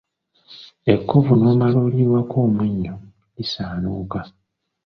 EKkovu n’omala oliyiwako omunnyo lisaanuuka.